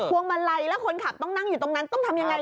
วงมาลัยแล้วคนขับต้องนั่งอยู่ตรงนั้นต้องทำยังไง